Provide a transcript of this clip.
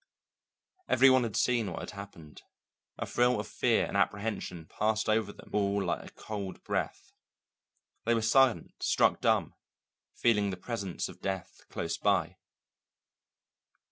Every one had seen what had happened; a thrill of fear and apprehension passed over them all like a cold breath. They were silent, struck dumb, feeling the presence of death close by.